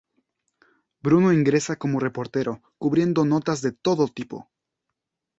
Bruno ingresa como reportero, cubriendo notas de todo tipo.